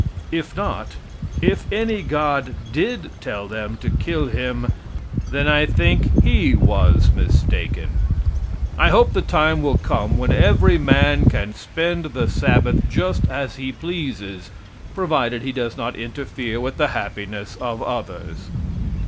If not, if any God did tell them to kill him, then I think he was mistaken. I hope the time will come when every man can spend the Sabbath just as he pleases, provided he does not interfere with the happiness of others.